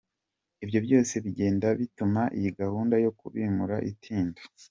Ibyo byose bigenda bituma iyi gahunda yo kubimura itinda.